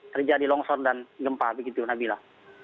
terjadi longsor dan gempa begitu nabila